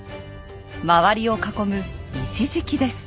周りを囲む石敷きです。